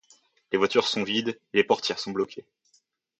Les voitures sont vides et les portières sont bloquées.